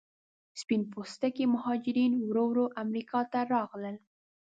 سپین پوستکي مهاجرین ورو ورو امریکا ته راغلل.